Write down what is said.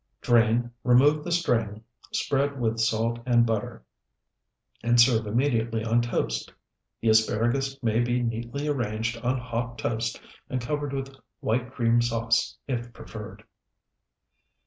Drain, remove the string, spread with salt and butter, and serve immediately on toast. The asparagus may be neatly arranged on hot toast and covered with white cream sauce, if preferred.